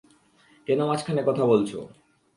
কেন মাঝখানে কথা বলছো?